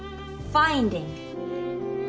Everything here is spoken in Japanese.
ファインディング。